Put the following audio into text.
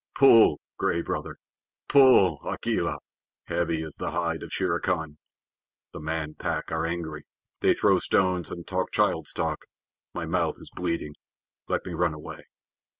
Pull, Gray Brother! Pull, Akela! Heavy is the hide of Shere Khan. The Man Pack are angry. They throw stones and talk child's talk. My mouth is bleeding. Let me run away.